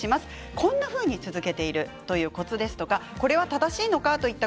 こんなふうに続けているというコツですとかこれは正しいのか？といった